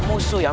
tapi ini adalah